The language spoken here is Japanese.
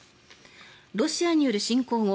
ロシアによる侵攻後